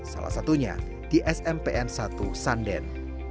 salah satunya di smpn satu sanden